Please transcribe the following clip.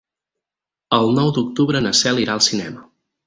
El nou d'octubre na Cel irà al cinema.